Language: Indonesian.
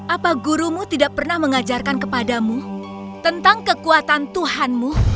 apa gurumu tidak pernah mengajarkan kepadamu tentang kekuatan tuhanmu